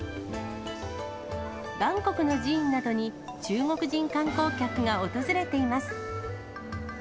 バンコクの寺院などに中国人観光客が訪れています。